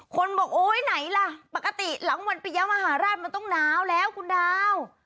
คนบอกโอ๊ยไหนล่ะปกติหลังวันปริยะมหาราชมันต้องหนาวแล้วคุณดาว